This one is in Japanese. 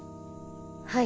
はい。